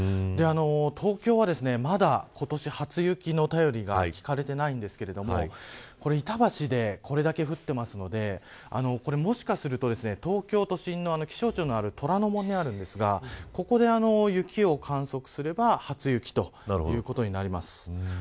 東京は、まだ今年初雪の便りが聞かれてないんですけれども板橋で、これだけ降ってますのでもしかすると、東京都心の気象庁のある虎ノ門にあるんですがここで雪を観測すれば初雪ということになります。